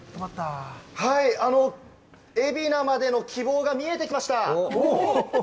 海老名までの希望が見えてきました！